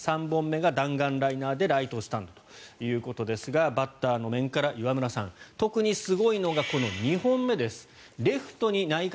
３本目が弾丸ライナーでライトスタンドということですがバッターの面から岩村さん特にすごいのが２本目です。